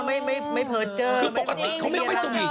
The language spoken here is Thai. วิ่งนานแม่ก็ต้องนิดนึง